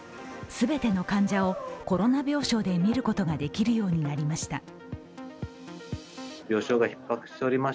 全ての患者をコロナ病床で診ることができるようになりました。